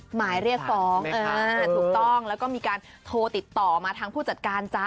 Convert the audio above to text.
หมายเรียกฟ้องถูกต้องแล้วก็มีการโทรติดต่อมาทางผู้จัดการจ๊ะ